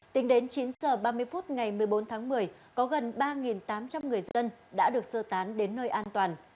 tính đến chín h ba mươi phút ngày một mươi bốn tháng một mươi có gần ba tám trăm linh người dân đã được sơ tán đến nơi an toàn